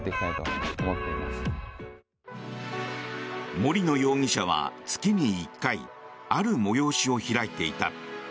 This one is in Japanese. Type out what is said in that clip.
森野容疑者は月に１回ある催しを開いていた。